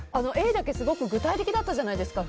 Ａだけすごく具体的だったじゃないですか。